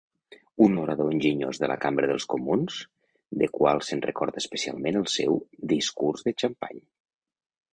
Un orador enginyós de la Cambra dels Comuns, de qual se'n recorda especialment el seu "discurs de xampany".